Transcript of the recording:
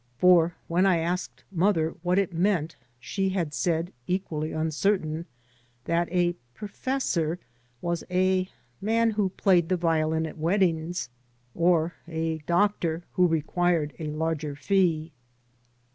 For when I asked mother what it meant, she had said, equally uncertain, that a professor was a man who played the violin at weddings, or a doctor who required a larger fee.